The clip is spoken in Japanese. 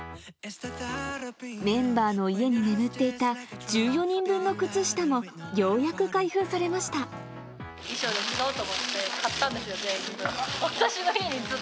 メンバーの家に眠っていた１４人分の靴下も、ようやく開封衣装で使おうと思って買ったんですよ、全員分。